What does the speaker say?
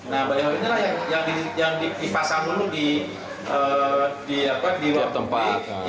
nah bale ho inilah yang dipasang dulu di waktu pagi